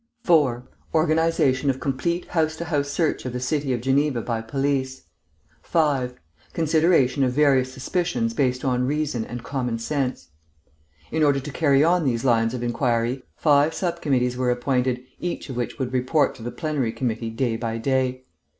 "4. Organisation of complete house to house search of the city of Geneva by police. "5. Consideration of various suspicions based on reason and common sense. "In order to carry on these lines of inquiry, five sub committees were appointed, each of which would report to the plenary committee day by day.